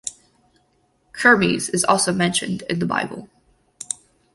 Kermes is also mentioned in the Bible.